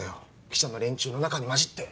記者の連中の中に交じって。